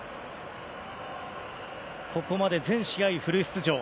ここまで全試合フル出場。